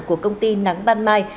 của công ty nắng ban mai